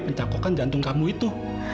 pencakokan jantung kamu itu